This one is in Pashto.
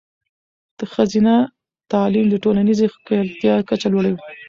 ښځینه تعلیم د ټولنیزې ښکیلتیا کچه لوړوي.